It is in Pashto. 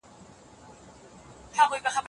هغه طریقه چې ساده ده، عملي ده.